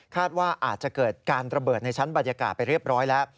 ว่าอาจจะเกิดการระเบิดในชั้นบรรยากาศไปเรียบร้อยแล้ว